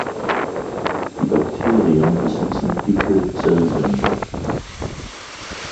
Die Bakterien besitzen dicke Zellwände.